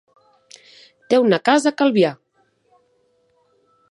Té una casa a Calvià.